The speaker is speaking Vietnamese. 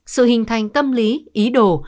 sự hình thành tâm lý ý đồ